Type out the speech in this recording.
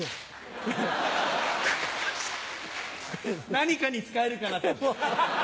何かに使えるかなと。